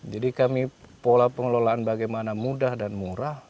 jadi kami pola pengelolaan bagaimana mudah dan murah